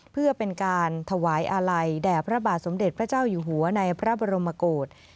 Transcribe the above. เพื่อเป็นการถวายอาลัยแด่พระบาทสมเด็จพระเจ้าอยู่หัวในพระบรมโกศ